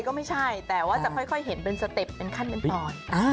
ก็ไม่ใช่แต่ว่าจะค่อยเห็นเป็นสเต็ปเป็นขั้นเป็นตอน